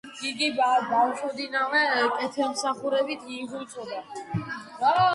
იგი ბავშვობიდანვე კეთილმსახურებით იღვწოდა.